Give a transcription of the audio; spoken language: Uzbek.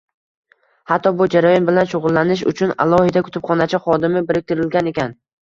Hatto bu jarayon bilan shugʻullanish uchun alohida kutubxonachi xodimi biriktirilgan ekan.